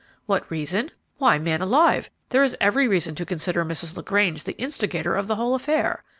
"What reason? Why, man alive! there is every reason to consider Mrs. LaGrange the instigator of the whole affair.